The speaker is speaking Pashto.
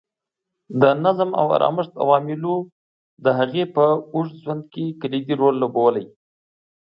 د نظم او ارامښت عواملو د هغې په اوږد ژوند کې کلیدي رول لوبولی.